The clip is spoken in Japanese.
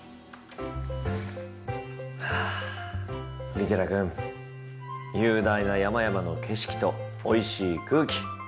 利寺君雄大な山々の景色とおいしい空気。